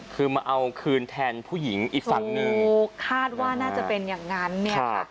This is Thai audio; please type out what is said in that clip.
คือมาเอาคืนแทนผู้หญิงอีกฝั่งหนึ่งถูกคาดว่าน่าจะเป็นอย่างนั้นเนี่ยค่ะ